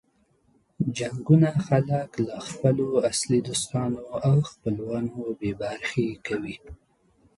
جنګونه خلک له خپلو اصلو دوستانو او خپلوانو بې برخې کوي.